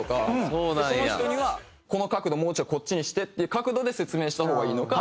この人には「この角度もうちょっとこっちにして」って角度で説明した方がいいのか。